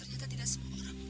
angin malem gak baik